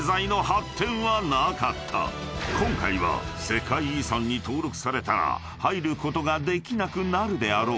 ［今回は世界遺産に登録されたら入ることができなくなるであろう］